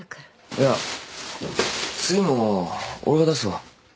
いや次も俺が出すわ。